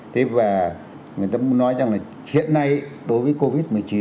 thế và người ta muốn nói rằng là hiện nay đối với covid một mươi chín